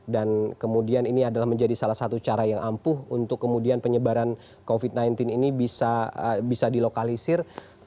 dan kemudian ini adalah menjadi salah satu cara yang ampuh untuk kemudian penyebaran covid sembilan belas ini bisa dilokalisir